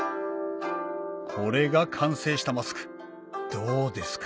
これが完成したマスクどうですか？